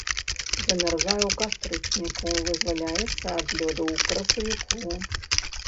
Замярзае ў кастрычніку, вызваляецца ад лёду ў красавіку.